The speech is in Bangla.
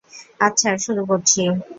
আচ্ছা, শুরু করছি।